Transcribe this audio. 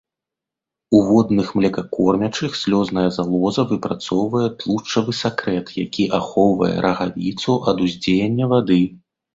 У водных млекакормячых слёзная залоза выпрацоўвае тлушчавы сакрэт, які ахоўвае рагавіцу ад уздзеяння вады.